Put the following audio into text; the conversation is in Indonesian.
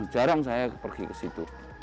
jarang saya pergi ke situ